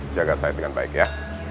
jaga saya dengan baik ya